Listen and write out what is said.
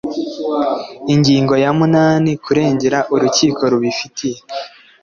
ingingo ya munani kuregera urukiko rubifitiye